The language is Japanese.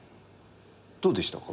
どうでしたか？